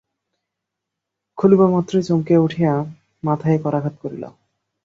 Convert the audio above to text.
খুলিবামাত্রই চমকিয়া উঠিয়া মাথায়ে করাঘাত করিল।